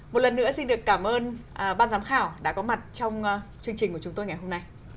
một lần nữa xin được cảm ơn ban giám khảo đã có mặt trong chương trình của chúng tôi ngày hôm nay